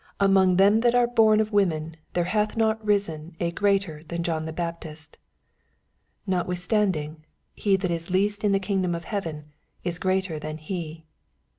Among them that are born of women there hath not risen a ^ater than John the Baptist : notwithstanding he that is least in the kingdom of heaven is greater than he.